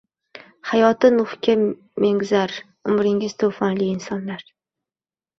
Hayoti Nuhga mengzar, umringiz toʻfonli insonlar